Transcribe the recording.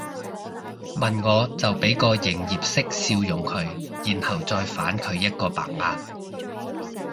問我就俾個營業式笑容佢然後再反佢一個白眼